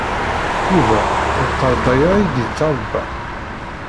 Yuba d tteṛbeyya ay d-yettwaṛebba?